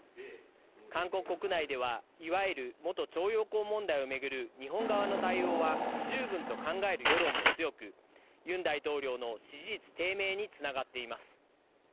韓国国内では、いわゆる元徴用工問題をめぐる日本側の対応は不十分と考える世論も強く、ユン大統領の支持率低迷に繋がっています。